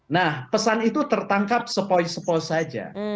nah pesan itu tertangkap sepoisnya